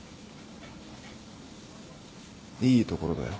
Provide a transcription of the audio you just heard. いいところだよ。